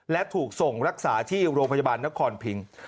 และถูกส่งรักษาที่โรงพยาบาลนครพิง